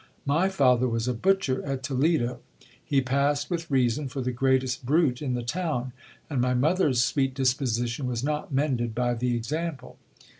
My father was a butcher at Toledo. He passed, with reason, for the greatest brute in the town, and my mother's sweet disposition was not mended by the example.